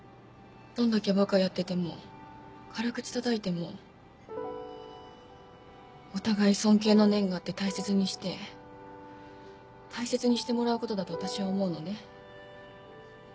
どんだけバカやってても軽口たたいてもお互い尊敬の念があって大切にして大切にしてもらうことだと私は思うのね。